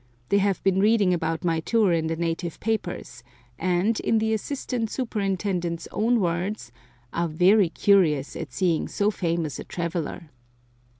They have been reading about my tour in the native papers, and, in the assistant superintendent's own words, "are very curious at seeing so famous a traveller."